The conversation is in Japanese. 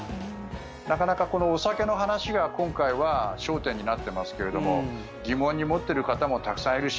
なかなか、お酒の話が今回は焦点になってますけれども疑問に思っている方もたくさんいるし